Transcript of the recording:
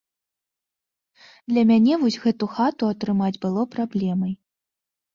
Для мяне вось гэту хату атрымаць было праблемай.